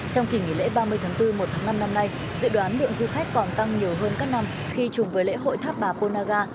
trong kỳ nghỉ lễ ba mươi tháng bốn một tháng năm năm nay dự đoán lượng du khách còn tăng nhiều hơn các năm khi chùm với lễ hội tháp bà pôaga